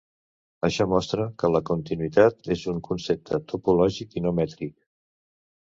Això mostra que la continuïtat és un concepte topològic i no mètric.